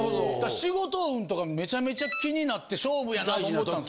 仕事運とかめちゃめちゃ気になって勝負やなと思ってたんです。